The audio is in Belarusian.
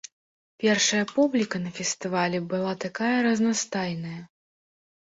Першая публіка на фестывалі была такая разнастайная!